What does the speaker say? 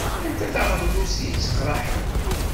Anta taɣennust i yetteqṛaḥen?